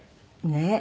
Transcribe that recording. ねえ。